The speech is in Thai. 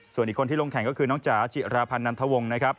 ส่วนอีกคนที่ลงแข่งก็คือน้องจ๋าจิราพันธ์นันทวงนะครับ